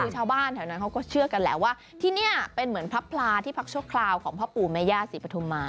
คือชาวบ้านแถวนั้นเขาก็เชื่อกันแหละว่าที่นี่เป็นเหมือนพระพลาที่พักชั่วคราวของพ่อปู่แม่ย่าศรีปฐุมา